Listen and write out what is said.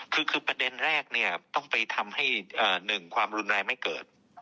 คือประเด็นแรกเนี่ยต้องไปทำให้หนึ่งความรุนแรงไม่เกิด